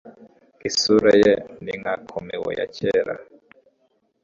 isura ye ni nka comeo ya kera